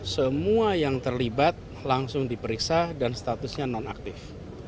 semua yang terlibat langsung diperiksa dan statusnya nonaktif